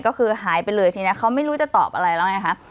ก็คือหายไปเลยทีนี้เขาไม่รู้จะตอบอะไรแล้วไงคะ